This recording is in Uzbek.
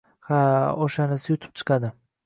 Ha, o‘shanisi yutib chiqadi.